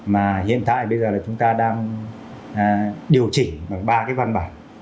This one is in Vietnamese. mà hiện tại bây giờ chúng ta đang điều chỉnh bằng ba văn bản